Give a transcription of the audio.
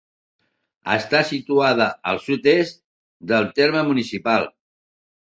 Està situada al sud-est del terme municipal.